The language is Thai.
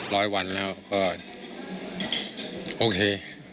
ร้อยวันแล้วก็โอเค